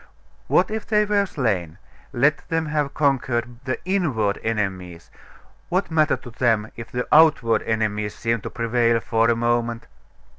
What if they were slain? Let them have conquered the inward enemies, what matter to them if the outward enemies seemed to prevail for a moment?